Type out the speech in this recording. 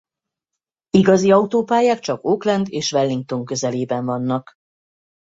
Igazi autópályák csak Auckland és Wellington közelében vannak.